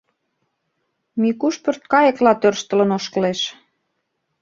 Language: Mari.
Микуш пӧрткайыкла тӧрштылын ошкылеш.